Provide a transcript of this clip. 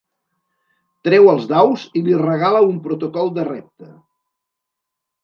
Treu els daus i li regala un protocol de repte.